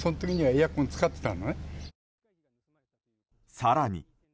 更に。